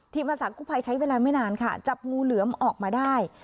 อาสากู้ภัยใช้เวลาไม่นานค่ะจับงูเหลือมออกมาได้